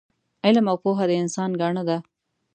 علم او پوه د انسان ګاڼه ده